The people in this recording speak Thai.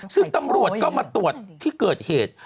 ซึ่งตำรวจก็มาตรวจที่เกิดเหตุ